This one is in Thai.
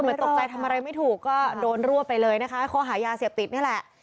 เหมือนตกใจทำอะไรไม่ถูกก็โดนรั่วไปเลยนะคะเขาหายาเสียบติดนี่แหละ